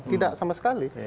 tidak sama sekali